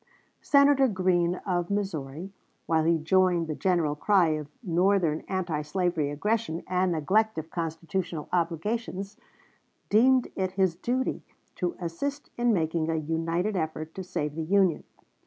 Senator Green, of Missouri, while he joined in the general cry of Northern anti slavery aggression and neglect of constitutional obligations, deemed it his duty to assist in making a united effort to save the Union.